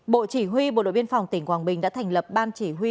bộ chỉ huy bộ đội biên phòng tỉnh quảng bình đã thành lập ban chỉ huy